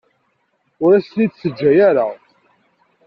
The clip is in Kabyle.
Ur ak-ten-id-teǧǧa ara.